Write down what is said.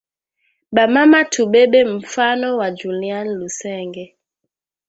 Ba mama tu bebe mufano wa Julianne Lusenge